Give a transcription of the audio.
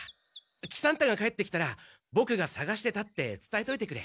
喜三太が帰ってきたらボクがさがしてたってつたえといてくれ。